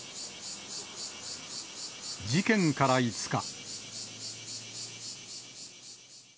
事件から５日。